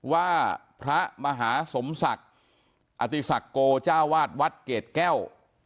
ว่าพระมหาสมศักดิ์อติศักดิโกจ้าวาดวัดเกรดแก้ว